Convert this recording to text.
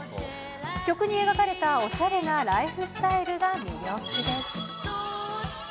曲に描かれたおしゃれなライフスタイルが魅力です。